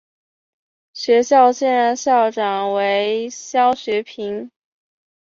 学校现任校长为肖学平。